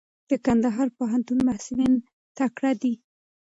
د کندهار پوهنتون محصلین تکړه دي.